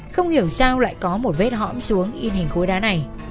không hiểu sao lại có một vết hõm xuống in hình khối đá này